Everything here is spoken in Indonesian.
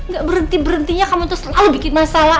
gak berhenti berhentinya kamu tuh selalu bikin masalah